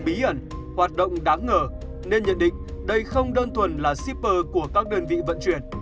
bí ẩn hoạt động đáng ngờ nên nhận định đây không đơn thuần là shipper của các đơn vị vận chuyển